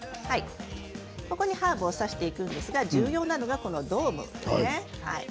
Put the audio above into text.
ここにハーブを挿していくんですが重要なのが道具です。